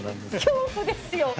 恐怖ですよ！